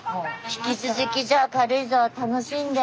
引き続きじゃあ軽井沢楽しんで。